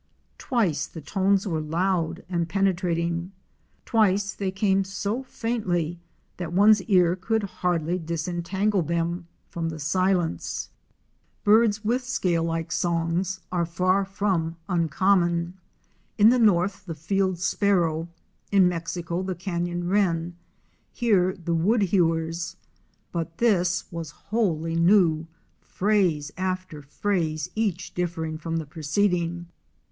Twice the tones were loud and penetrating, twice they came so faintly that one's ear could hardly disentangle them from the silence. 310 OUR SEARCH FOR A WILDERNESS. Birds with scale like songs are far from uncommon: in the north the Field Sparrow; in Mexico the Canyon Wren; here the Woodhewers, but this was wholly new, phrase after phrase each differing from the preceding.